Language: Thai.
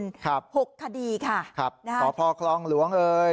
ครับครับหกคดีค่ะนะฮะสภคลองหลวงเอย